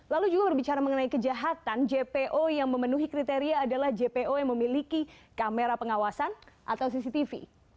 lalu juga berbicara mengenai kejahatan jpo yang memenuhi kriteria adalah jpo yang memiliki kamera pengawasan atau cctv